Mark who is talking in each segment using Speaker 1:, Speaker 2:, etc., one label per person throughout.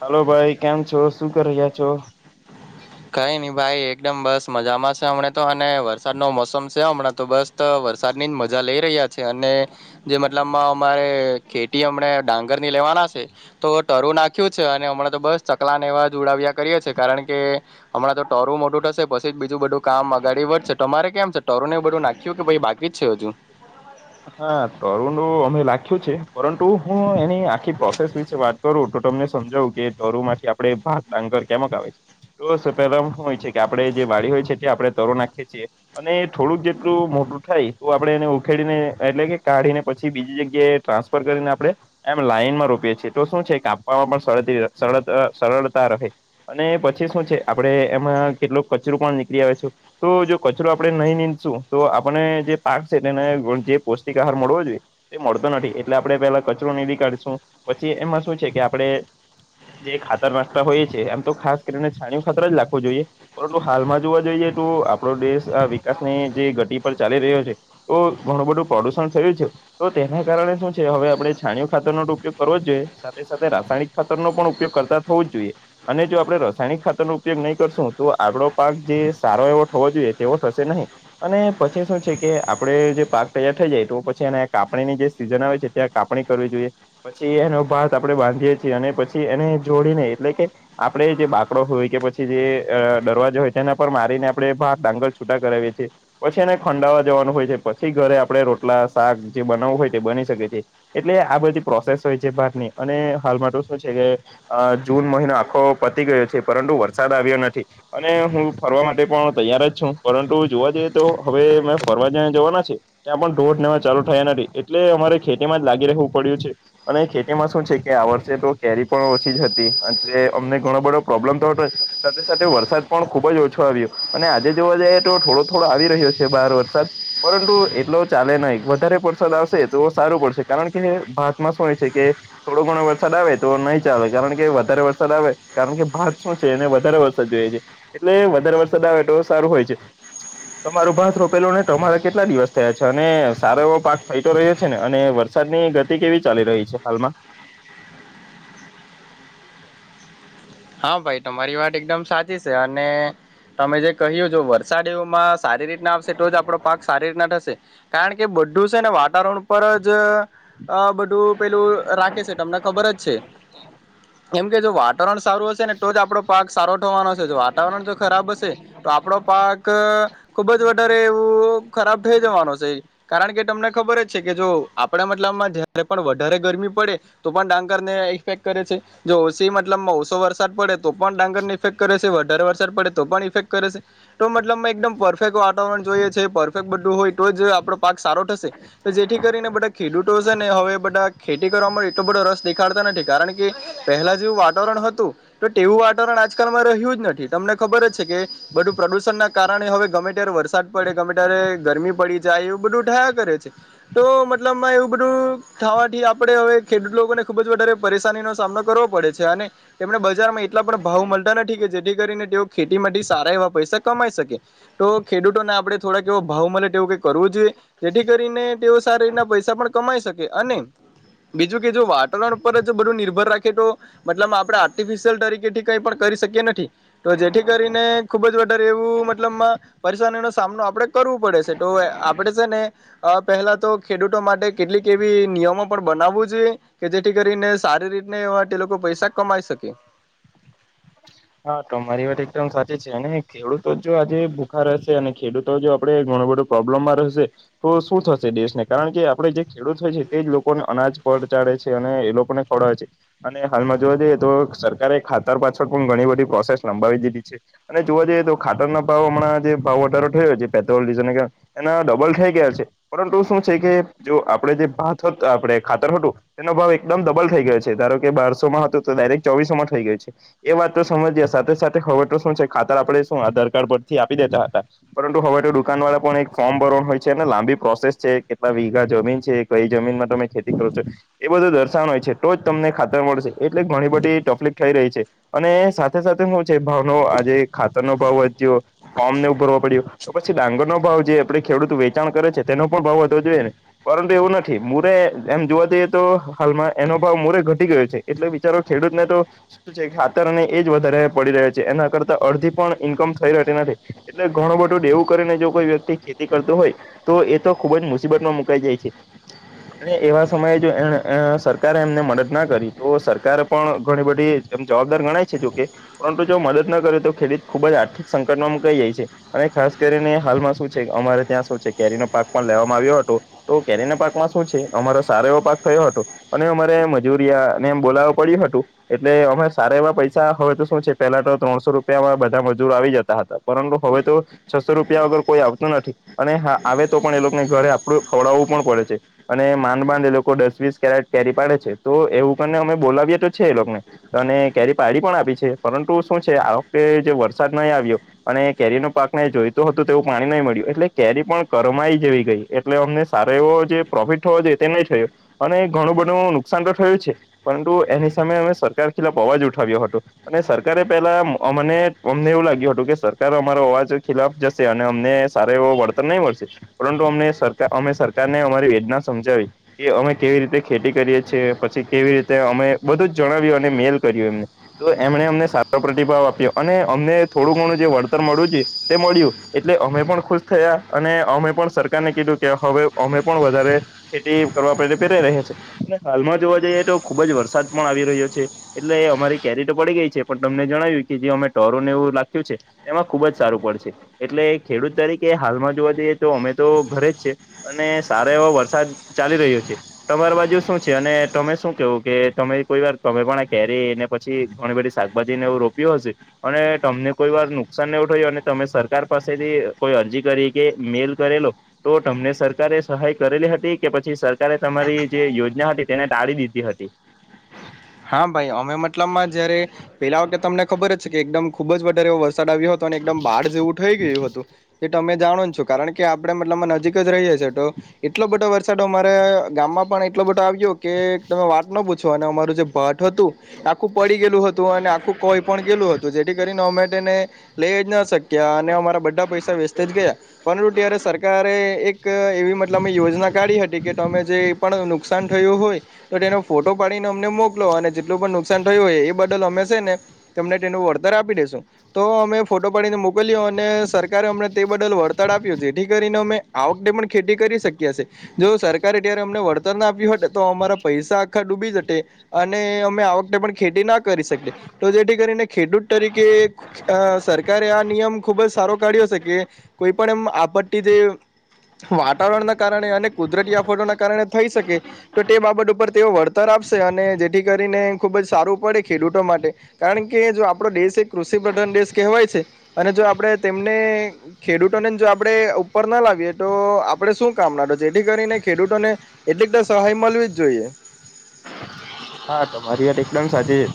Speaker 1: Hello ભાઈ કેમ છો શું કરી રહ્યા છો.
Speaker 2: કઈ નઈ ભાઈ એકદમ બસ મજામાં છે હમણાં તો અને વરસાદ નો મોસમ છે હમણાં તો બસ વરસાદ ની જ મજા માં લઈ રહ્યા છે અને જે મતલબમાં અમારે ખેતી એમણે ડંગર ની લેવાના છે તો ટરું નાખ્યું છે અને હમણાં તો બસ ચકલાને એવા જ ઉડાવ્યા કરીએ છીએ કારણ કે હમણાં તો ટોરું મોટું થશે પછી થીક બીજું બધું કામ અગાડી વધશે તમારે કેમ છે તારું એ બધું નાખ્યું કે ભાઈ બાકી જ છે હજુ.
Speaker 1: હા તરુ નો અમે લખ્યું છે પરંતુ હું એની આખી પ્રોસેસ વિશે વાત કરું. તો તમે સમજો કે [unintelligible] માંથી આપડે ભાહ ડાંગર કેમક આવે છે, તો સ પેલા હું હોય છે કે આપડે જે વાડી હોય છે તે આપણે તરું નાખીએ છીએ અને એ થોડુંક જેટલું મોટું થાય તો આપણે એને ઉખેડીને એટલે કે કાઢીને પછી બીજી જગ્યાએ ટ્રાન્સફર કરીને આપણે એમ લાઈનમાં રોપીએ છીએ, તો શું છે કાપવા પણ સરળતીય સરળ અહ સરળતી રહે, અને પછી શું છે આપડે એમાં કેટલું કચરો પણ નીકળી આવે છે, તો જો કચરો આપણે નહીં નીંદશું તો આપણે જે પાક છે તેને [unintelligible] પૌષ્ટિક આહાર મળવો જોઈએ તે મળતો નથી એટલે આપણે પેલા કચરો નીરી કાઢશું. પછી એમાં શું છે કે આપણે ણે જે ખાતર નાખતા હોઈએ છે એમ તો ખાસ કરીને છાણ્યું ખાતર જ નાખવું જોઈએ, પરંતુ હાલમાં જોવા જઈએ તો આપણો દેશ આ વિકાસ ની જે ગતિ પર ચાલી રહ્યો છે તો ઘણું બધું પ્રદુણ થયું છે. તો તેના કારણે શું છે હવે આપણે છાણ્યું ખાતર નો જ ઉપયોગ કરવો જ જોઈએ, સાથે-સાથે રાસ ણિક ખાતર નો પણ ઉપયોગ કરતા થવો જ જોઈએ. અને જો આપણે રસાયણિક ખાતર નો ઉપયોગ નહી કરશું તો આપડો પાક જે સારો એવો થવો જોઈએ તેવો થશે નહી. અને પછી શું છે કે આપણે જે પાક તૈયાર થઈ જાય તો પછી એને કાપણીની જે સીઝન આવે છે ત્યાં કાપણી કરવી જોઈએ. પછી એનો પાક આપણે બાંધ ધ્યે છે અને પછી એને જોડીને એટલે કે આપણે જે બાકડો હોય કે પછી જે અહ દરવા જો હોય એના પર મારીને આપણે પાક ડાંગર છૂટા કરાવીએ છે, પછી એને ખંડાવા જવાનું હોય છે, પછી ઘરે આપ પણે રોટલા, શાક જે બનાવવું હોય તે બની શકે છે. એટલે આ બધી પ્રોસેસ હોય છે પાકની. અને હ હાલ તો શું છે કે અહ જૂન મહિનો આખો પતી ગયો છે, પરંતુ વરસાદ આવ્યો નથી. અને હું ફરવા માટે પણ તૈયાર જ છું, પરંતુ જોવા જઈએ તો હવે મેં ફરવાને જવાના છે. ત્યાં પણ ધોઢ ને એવો ચાલુ થયા નથી એટલે અમારે ખેતી માં જ લાગી રહેવું પડ્યું છે, અને ખેતીમાં શું છે કે આ વર્ષે તો કેરી પણ ઓછી જ હતી, અને અમને ઘણો બધો પ્રોબ્લેમ તો હતો જ. સાથે-સાથે વરસાદ પણ ખુબ જ ઓછો આવ્યો, અને આજે જોવા જઈએ તો થોડો-થોડો આવી રહ્યો છે બહાર વરસાદ, પરંતુ એટલો ચાલે નહીં. વધારે પરસાદ આવશે તો સારું પડશે કારણ કે ભાતમાં શું હોય છે કે થોડો ઘ ણો વરસાદ આવે તો નહીં ચાલે કારણ કે વધારે વરસાદ આવે કારણ કે ભાત શું છે એને વધારે વરસાદ જોઈએ છે. એટલે વધારે વરસાદ આવે તો સારું હોય છે. તમારું ભાત રોપેલું હોય તમારે કેટલા દિવસ થયા છે, અને સારો એવો પાક થઈ તો રહ્યો છે ને? અને વરસાદની ગતિ કેવી ચાલી રહી છે હાલમાં? [inaudible]
Speaker 2: હા ભાઈ તમારી વાત એકદમ સાચી છે, અને તમે જે કહ્યું જો વરસાદીઓમાં સારી રીતના આવશે તો જ આપડો પાક સારી રીતના થશે. કારણ કે બધું સે ને વાતાવરણ ઉપર જ અહ બધું પેલું રાખે છે તમને ખબર જ છે, કેમ કે જો વાતાવરણ સારું હશે ને તો જ આપડો પાક સારો થવાનો સે. જો વાતાવરણ જો ખરાબ હશે તો આપડો પાક અહ ખુબ જ વધારે એવું ખરાબ થઈ જવાનું છે, કારણ કે તમને ખબર જ છે કે જો આપડા મતલબ માં જ્યારે પણ વધારે ગરમી પડે તો પણ ડાંગર ને ઈફેક્ટ કરે છે. [unintelligible] ઓસી મતલબમાં ઓસ સો વરસાદ પડે તો પણ ડાંગર ને ઇફેક્ટ કરે છે, વધારે વરસાદ પડે તો પણ ઇફેક્ટ કરે છે, તો મતલબમાં એકદમ પરફેક્ટ વાતારણ જોઈએ છે, પરફેક્ટ બધું હોય તો જ આપણો પાક સારો થશે, તો જેથી કરીને બધા ખેડૂતો છે ને એ હવે બધા ખેતી કરવા એટલો બધો રસ દેખાડતા નથી કારણ કે પહેલા જેવું વાતાવરણ હવે [unintelligible] તો તેવું વાતાવરણ આજકાલમાં રહ્યું જ નથી. તમને ખબર જ છે કે બધું પ્રદુષણ ના કારણે હવે ગમે ત્યારે વરસાદ પડે, ગમે ત્યારે ગરમી પડી જાય એવું બધું થાયા કરે છે. તો મતલબ માં એવું બ ધું થવાથી આપણે હવે ખેડૂત લોકોને ખુબ જ વધારે પરેશાની નો સામનો કરવો પડે છે. અને એમને બજારમાં એટલા પણ ભાવ મળતા નથી કે જે થી કરીને તેઓ ખેતી માં સારા એવા પૈસા કમાઈ શકે, તો ખેડૂતોને આપણે થોડાક એવો ભાવ મલે તે વું કરવું જોઈએ, જેથી કરીને તેઓ સારી રીતના પૈસા પણ કમાઈ શકે. અને બીજું કે જો વાતાવરણ ઉપર જ બધું નિર્ભર રાખે તો મતલબ આપડે આ ર્ટીફીસીયલ તરીકેથી કઈ પણ કરી શકીએ નથી તો જેથી કરીને ખુબ જ વધ ધારે એવો મતલબમાં પરેશાની નો સામનો આપડે કરવું પડે છે, તો આપડે છે ને અહ પેલા તો ખેડૂતો માટે કેટલીક એવી નિયમો પણ બનાવવું જોઈએ કે જેથી કરીને સારી રીતને એવા તે લોકો પૈસા કમાઈ શકે.
Speaker 1: હા તમારી વાત એકદમ સાચી છે, અને ખેડૂતો જો આજે ભૂખા રહેશે અને ખેડૂતો જો આપડે ઘણો બધો પ્રોબ્લેમમાં રહેશે તો શું થશે દેશને, કારણ કે આપણેે જે ખેડૂત હોય છે તે જ લોક પણ અનાજ પડ ચાડે છે અને એ લોકો ને ખવડે છે અને હાલમાં જોવા જઈએ તો સરકારે ખાતર પાછળ પણ ઘણી બધી પ્રોસેસ લંબાવી દીધી છે અને જોવા જઈએ તો ખાતર ભાવ હમણાં જે ભાવ વધારો થયો છે પેટ્રોલ ડીઝલને એના ડબલ થઈ ગયા છે પરંતુ શું છે કે જો આપડે જે ભાત આપણે ખાતર હતું તેનો ભાવ એકદમ ડબલ થઈ ગયો છે ધારો કે બારસોમાં હતો તો ડાયરેક્ટ ચોવીસો માં થઈ ગયો છે એ વાત સમજ સાથે સાથે હવે તો શું છે ખાતર આપણે શું આધાર કાર્ડ પરથી આપી દેતા હતા પરંતુ હવે તો દુકાન વાળા પણ એક ફોર્મ ભરવાણ હોય છે અને લાંબી પ્રોસેસ છે કેટલા વીઘા જમીન છે કઈ જમીનમાં તમે ખેતી કરો છો એ બધું દર્શાવા નું હોય છે તો જ તમને ખાતર મળશે એટલે ઘણી બધી તકલીફ થઈ રહી છે અને સાથે સાથે શું છે ભાવનો આજે ખાતર નો ભાવ વધ્યો ફોર્મ ને ભરવો પડ્યો પછી ડાંગર નો ભાવ જે આપે ખેડૂત વેચાણ કરે છે તેનો પણ ભાવ વધો જઈ ને પરંતુ એવું નથી મુરે એમ જોવા દઈએ તો હાલમાં એનો ભાવ મોરે ઘટી ગયો છે એટલે વિચારો ખેડૂતને તો શું છે એ વધારે પડી રહી છે એના કરતા અડધી પણ ઇન્કમ થઈ રેતી નથી એટલે ઘણું બધું દેવું જો કોઈ વ્યક્તિ ખેતી કરતો હોય તો એ તો ખુબ જ મુસીબતમાં મુકાઈ જાય છે અને એવા સમયે જો એ સરકારે એમને મદદ ના કરી તો સરકાર પણ ઘણી બધી જવાબદાર ગણાય છે જોકે પરંતુ જો મદદ ન કરે તો ખેડૂત ખુબ જ આર્થિક સંકટમાં મુૂકાઈ જાય છે અને ખાસ ખાસ કરીને હાલમાં શું છે અમારે ત્યાં શું છે કેરીનોો પાક પણ લેવામાં આવ્યો હતો તો કેરીના પાકમાં શું છે અમારો સારો એવો પાક થયો હતો અને અમારે મજૂરિયા ને એમ બોલાવો પડ્યું હતું એટલે અમા. સારા એવા પૈસા હવે તો શું છે પેલા તો ત્રણસો રૂપિયા બધા મજૂરો આવી જતા હતા પરંતુ હવે તો, બસો રૂપિયા વગર કોઈ આવતું નથી અને હા આવે તો પણ એ લોકોને ઘરે આપડું ખવડાવવું પણ પડે છે અને માંડ માંડ એ લોકો દસ વીસ કેરેટ કેરી પાડે છે તો એવું પણને અમે બોલાવીએ તો છે એ લોકોને અને કેરી પાડી પણ આપી છે પરંતુ શું છે આ વખતે જે વરસાદ નહીં આવ્યો અને કેરીનોો પાકને જોઈ હતું તેવું પાણી નહીં મળ્યું એટલે કેરી પણ કરમાઈ જેવી ગઈ એટલે અમને સારો એવો જે પ્રોફિટ થવો જો નહી થયો અને ઘણું બધું નુકસાન તો થયું છે પરંતુ એની સામે અમે સરકાર ખિલાફ અવાજ ઉઠાવ્યો હત અને સરકારે પેલા મને અમને એવું લાગ્યું હતું કે સરકાર અમારો અવાજ ખિલાફ અને અમને સારો એવું વળતર નહીં મળશે પરંતુ અમને સર અમે સરકારને અમારી વેદના સમજાવી કે અમે કેવી રીતે ખેતી કરીએ છીએ પછી કેવી રીતે અમે બધું જ જણાવ્યું અને મેલ કર્યું એમને તો એમણે અમને સારો પ્રતિભાવ આપ્યો અને અમને થોડું ઘણું જે વળતર મળ્યું છે તે મળ્યું એટલે અમે પણ ખુશ થયા અને અમે પણ સરકારને કીધું કે હવે અમે પણ વધારે ખેતી કરવાડે પે રહ્યા છે હાલમાં જોવા જઈએ તો ખુબ જ વરસાદ પણ આવી રહ્યો છે એટલે અમારી કેરી પડી ગઈ છે પણ તમને જણાવ્યું કે જે અમે ટોરોને એવું લખ્યું છે એમાં ખુબ જ સારું પડશે એટલે ખેડૂત તરીકે હાલમાં જોવા જઈએ તો અમે તો ઘરે જ છે અને સારા એવાો વરસાદ ચાલી રહ્યો તમારી બાજુ શું છે અને તમે શું કેવું કે તમે કોઈ વાર તમે પણ આ કેરી પછી ઘણી બધી શાકભાજી ને એવું રોપ્યું હશે અને તમને કોઈ વાર નુકસાન ન એવું થયું અને તમે સરકાર પાસેથી કોઈ અરજી કરી કે મેલ કરેલો તો તમને સરકારે સહાય કરેલી હતી કે પછી સરકારે તમારી જે યોજના હતી તેને ટાળી દીધી હતી
Speaker 2: હા ભાઈ અમે મતલબમાં જયારે પેલા વખતે તમને ખબર જ છે કે એકદમ ખુબ જ વધારે ડાવ્યું હતું અને એકદમ બહાર જેવું થઈ ગયું હતું એ તમે જાણો છો કારણ કે ને નજીક જ રહીએ છી તો એટલો બધો વરસાદ સાડ અમારે ગામમાં પણ એટલો બધો આવ્યો કે તમે વાત ન પૂછો અને અમારું જે ભટ્ટ હતું આખું પડી ગેલું હતું અને આખું કોઈ પણ ગેલું હતું જેથી કરીને અમેને લઈ જ ન શકી ક્યાં અને અમારા બધા પૈસા વેસ્ટ જ ગયા પરંતુ ત્યારે સરકારે એક એક એવી મતલબ મે યોજના કાઢી હતી કે તમે જે પણ નુકસાન થયું હોય તો તેનો ફોટો પાડી ને અમને મોકલો અને જેટલું પણ નુકસાન થયું હોય એ બદલ અમે છે ને તમને તેનું વળતર આપી દેસું તો અમે ફોટો પાડીને મોકલ્યો અને સરકારે અમને તે બદલ વળતર આપ્યું જેથી કરીને અમે આવ ડે પણ ખેતી કરી શક જો સરકારે અ્યારે અમને વળતર ના આપ્યું હો તો અમારા પૈસા આખા ડૂબી જ અને અમે આ વખતે પણ ખેતી ના કરી શકીએ તો જેથી કરીને ખેડૂત તરીકે સરકારે આ નિયમ ખુબ જ સારો કાઢ્યો છે કે કોઈ પણ એમ આપત્તિ જે વાતાવરણના કારણે અને કુદરતી આફતોના કારણે થઈ શકે તો તે બાબત ઉપર તેઓ વળતર સ અને જે થી કરીને ખુબ જ સારું પડે ખેડૂતો માટે કારણ કે જો આપડો દેશ એક કૃષિ પ્રધાન દેશ કહેવાય છે અને જો આપણે તેમને ખેડૂતોને જો આપડણે ઉપર ના લાવીએ તો આપણે શું? મના છે જેથી કરીને ખેડૂતોને એટલીક સહાય મળવી જ જોઈએ
Speaker 1: હા તમારી વાત એકલેમ સાચી છે.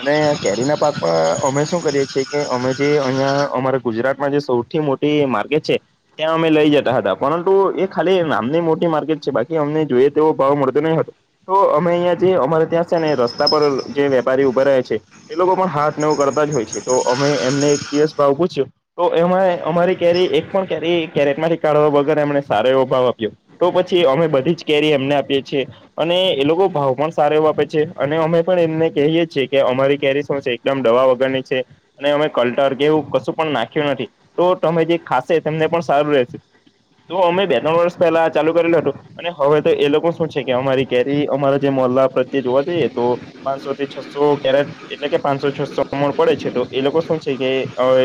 Speaker 1: અને કેરી ના પાક પર અમે શું કરીએ છીએ કે અમે જે અહિયાં અમારા ગુજરાતમાં જે સૌથી મો માર્કેટ છે ત્યાં અમે લઈ જતા હતા પરંતુ એ ખાલી નામની મોટી માર્કેટ છે બાકી જોઈએ તેવો ભાવ મળતો નહી હતો તો અમે અહં જે અમારે ત્યાં છે ને રસ્તા પર જે વેપારી ઉભા રહ્યા છે. પણ હાથવ કરતા જ હોય છે તો અમે એમને દસ ભાવ પૂછ્યો તો એમાં કેરી એક પણ કેરી કેરેટ માંથી કાઢવા વગર એમને સારો એવો ભાવ આપ્યો તો પછી અમે બધી જ કેરી એમને આપીએ છીએ અને એ લોકો ભાવ પણ સાર એવ આપે છે અને અમે પણ એમને કહીએ છીએ કે અમારી કેરી શું છે એકદમ દવા વગરની છે અને ત કલટર કે એવું કશું પણ નાખ્યું નથી તો તમે જે ખાશે તેમને પણ સારું રહેશે તો અમે બે ત્રણ વર્ષ પહેલા ચાલુ કરેલું હતું અને હવે તો એ લોકો શું છે કે અમારી કેરી અમારો જે મોલા પ્રત્યે જોવા જઈએ તો પાંચસો થી છસો કેરેટ એટલે કે પાંચસો છસોમ પડે છે તો એ લોકો- કે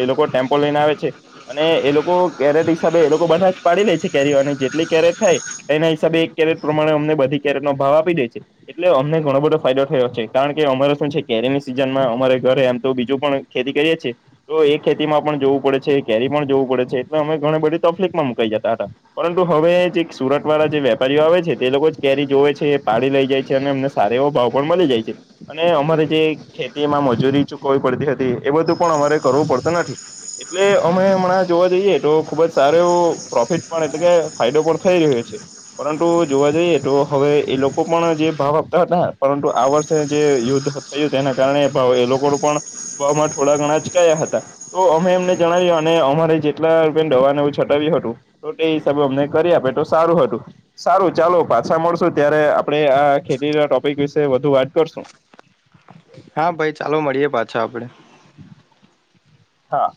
Speaker 1: એ લોકો ટેમ્પો લઈને આવે છે અને એ લોકો કેરેટ હિસાબે એ લોકો બધા જ પાડી લે છે. કેરી અને જેટલી કેરેટ થાય એના હિસાબે એક કેરેટ પ્રમાણે અમને બધી કેરેટ નો ભાવ આપી દે છે. એટલે અમને ઘણો બધો ફાયદો થયો છે કારણ કે અમારે શું છે કેરીની સિઝનમાં અમારે ઘરે એમ તો બીજું પણ ખેતી કરીએ છીએ તો એ ખેતી માં પણ જોવું પડે છે કેરી પણ જોવું પડે છે એટલે અમે ઘણી બધી તકલીફ માં મુકાઈ જતા પરંતુ હવે સુરત વાળા જે વેપારીઓ આવે છે, તે લોકો જ કેરી જોવે છે પાડી લઈ જાય છે. છે અને અમને સારા એવો ભાવ પણ મળી જાય છે અને અમારે જે ખેતીમાં મજૂરી ચૂકવવી પડતી હતી. એ બધું પણ અમારે કરવું પડતું નથી. એટલે અમે હમણાં જોવા જઈએ તો ખુબ જ સારો એવો પ્રોફિટ પણ એટલે કે ફાયદો પણ થઈ રહ્યો છે. પરંતુ જોવા જઈએ તો હવે એ લોકો પણ જે- ભાવ આપતા હતા પરંતુ આ વર્ષે જે યુદ્ધ થયું તેના કારણે એ લોકોનું પણ બ થોડા ઘણા જ કયા હતા તો અમે એમને જણાવ્યું અને અમારે જેટલા રૂપિયા દવાને એવું છટાવ્યું હતું. તો એ હિસાબે અમને કરી આપે તો સારું હતું સારું ચાલો પાછા મળશું ત્યારે આપડે આ ખેતી ના ટોપિક વિશે વધુ વાત કરશું.
Speaker 2: હા ભાઈ ચાલો મળીએે પાછો આપડે..
Speaker 1: હા.